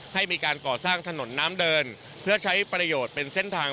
ให้มีการก่อสร้างถนนน้ำเดินเพื่อใช้ประโยชน์เป็นเส้นทาง